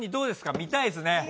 見たいですね。